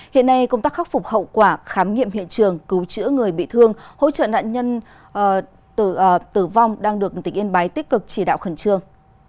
hiện nay công tác khắc phục hậu quả khám nghiệm hiện trường cứu chữa người bị thương hỗ trợ nạn nhân tử vong đang được tỉnh yên bái tích cực chỉ đạo khẩn trương